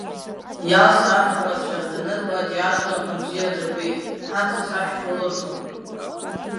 Иалса арԥарацәа данырба атеатр аҟны бзиа дырбеит, ҳамҭас ашәҭқәа лырҭон.